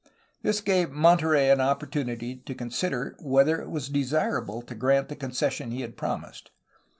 This gave Monterey an opportunity to consider whether it was desirable to grant the concession he had promised.